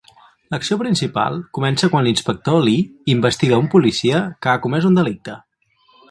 L'acció principal comença quan l'Inspector Li investiga un policia que ha comès un delicte.